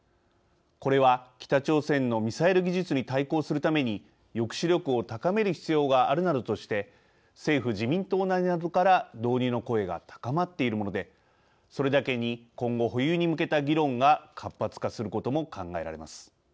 これは北朝鮮のミサイル技術に対抗するために抑止力を高める必要があるなどとして政府・自民党内で導入の声が高まっているものでそれだけに今後、保有に向けた議論が活発化することも考えられます。